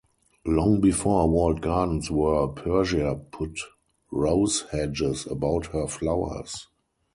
Long before walled gardens were, Persia put rose hedges about her flowers.